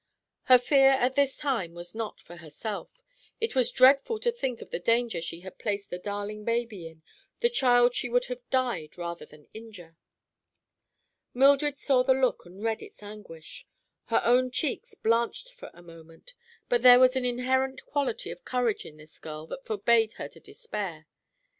Her fear at this time was not for herself. It was dreadful to think of the danger she had placed the darling baby in—the child she would have died rather than injure. Mildred saw the look and read its anguish. Her own cheeks blanched for a moment, but there was an inherent quality of courage in this girl that forbade her to despair.